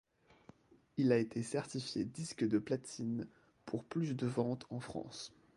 Il a été certifié disque de platine pour plus de ventes en France.